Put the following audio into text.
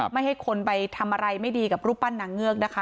ไม่ให้คนไปทำอะไรไม่ดีกับรูปปั้นนางเงือกนะคะ